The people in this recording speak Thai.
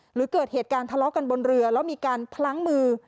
หรือเกิดเหตุการณ์ทะเลาะกันบนเรือแล้วมีการพลั้งมือ